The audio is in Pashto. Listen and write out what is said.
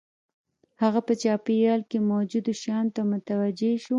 هغه په چاپېريال کې موجودو شیانو ته متوجه شو